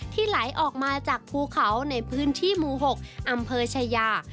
ไหลออกมาจากภูเขาในพื้นที่หมู่๖อำเภอชายา